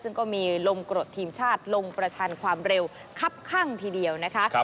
ซึ่งก็มีลมกรดทีมชาติลงประชันความเร็วคับข้างทีเดียวนะคะ